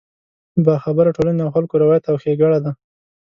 د باخبره ټولنې او خلکو روایت او ښېګړه ده.